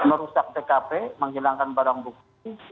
yang merusak pkp menghilangkan barang bukti